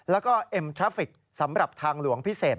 แล้วก็เอ็มทราฟิกสำหรับทางหลวงพิเศษ